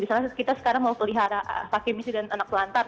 misalnya kita sekarang mau pelihara pakai misi dan anak pelantar